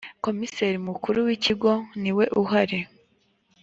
komiseri mukuru w ‘ikigo niwe uhari.